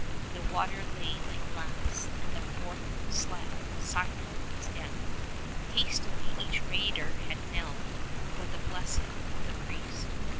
The water lay like glass, and the fort slept silent as death. Hastily each raider had knelt for the blessing of the priest.